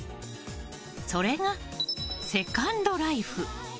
それがセカンドライフ。